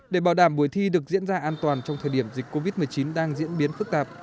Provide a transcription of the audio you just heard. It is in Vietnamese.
để bảo đảm buổi thi được diễn ra an toàn trong thời điểm dịch covid một mươi chín đang diễn biến phức tạp